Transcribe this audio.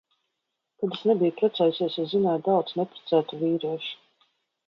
Kad es nebiju precējusies, es zināju daudz neprecētu vīriešu.